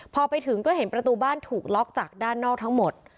พอไปถึงก็เห็นประตูบ้านถูกล็อกจากด้านนอกทั้งหมด